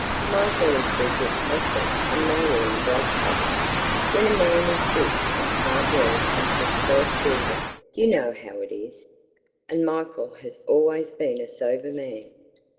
"Michael is Bridget's husband, and they were in great trouble. When a man is sick and can't work and has twelve children, you know how it is. And Michael has always been a sober man.